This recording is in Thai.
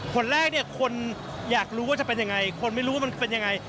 คนแรกเนี่ยคนอยากรู้ว่าจะเป็นยังไงคนไม่รู้ว่ามันเป็นยังไง